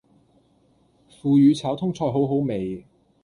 腐乳炒通菜好好味